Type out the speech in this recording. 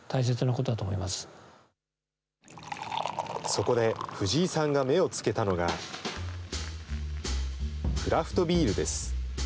そこで藤居さんが目をつけたのが、クラフトビールです。